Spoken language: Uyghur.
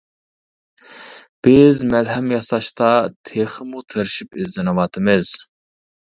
بىز مەلھەم ياساشتا تېخىمۇ تىرىشىپ ئىزدىنىۋاتىمىز.